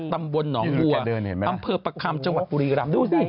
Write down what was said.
ตำบลหนองบัวอำเภอประคำจังหวัดบุรีรำดูสิ